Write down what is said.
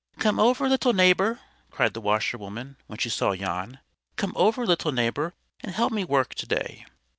"Come over, little neighbor," cried the Washerwoman, when she saw Jan. "Come over, little neighbor, and help me work to day!"